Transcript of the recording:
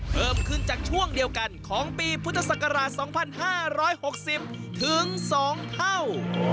เพิ่มขึ้นจากช่วงเดียวกันของปีพุทธศักราช๒๕๖๐ถึง๒เท่า